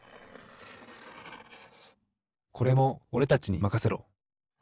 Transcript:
これもおれたちにまかせろ！